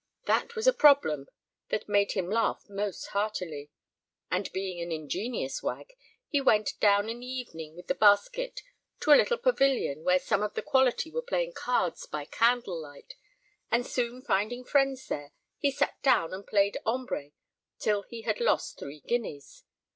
That was a problem that made him laugh most heartily. And being an ingenious wag he went down in the evening with the basket to a little pavilion where some of the quality were playing cards by candle light, and, soon finding friends there, he sat down and played ombre till he had lost three guineas.